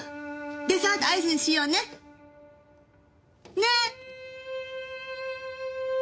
デザートアイスにしようね？ね？ね？